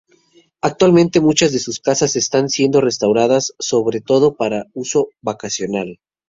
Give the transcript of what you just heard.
Actualmente muchas de sus casas están siendo restauradas sobre todo para uso vacacional.